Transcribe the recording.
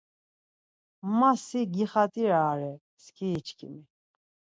Ma si gixat̆irare, skiriçkimi.